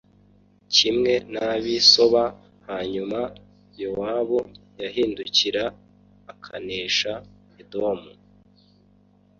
kimwe n’ab’i Soba hanyuma Yowabu yahindukira akanesha Edomu